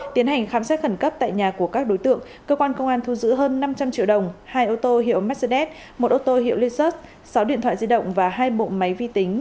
tiến hành khám xét khẩn cấp tại nhà của các đối tượng cơ quan công an thu giữ hơn năm trăm linh triệu đồng hai ô tô hiệu mercedes một ô tô hiệu lisurt sáu điện thoại di động và hai bộ máy vi tính